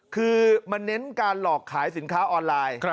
คือมันเน้นการหลอกขายสินค้าออนไลน์